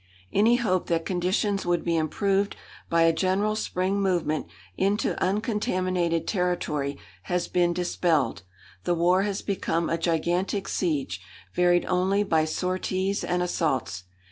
Any hope that conditions would be improved by a general spring movement into uncontaminated territory has been dispelled. The war has become a gigantic siege, varied only by sorties and assaults.